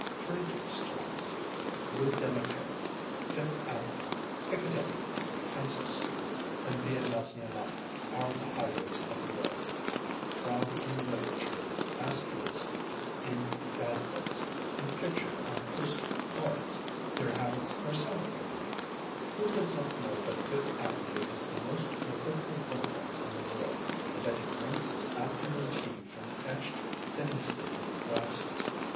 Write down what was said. Friedrichstrasse, Rue de la Paix, Fifth Avenue, Piccadilly, Princess Street and Via Nazionale are the highways of the world. Trod in literature, asterisked in guide books, and pictured on postal cards, their habits are celebrated. Who does not know that Fifth Avenue is the most rococo boulevard in the world, and that it drinks its afternoon tea from etched, thin stemmed glasses?